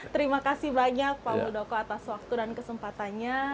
terima kasih banyak pak muldoko atas waktu dan kesempatannya